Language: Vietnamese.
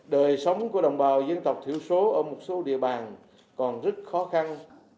đời sống của đồng bào dân tộc thiểu số ở một số địa bàn còn rất khó khăn